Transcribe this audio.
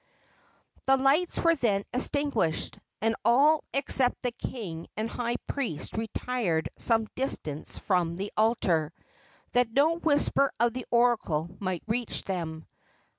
The lights were then extinguished, and all except the king and high priest retired some distance from the altar, that no whisper of the oracle might reach them.